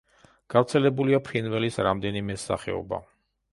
გავრცელებულია ფრინველის რამდენიმე სახეობა.